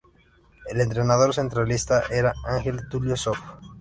El entrenador centralista era Ángel Tulio Zof.